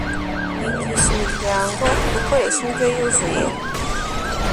mwigisha imiryango gukoresha inryo yuzuye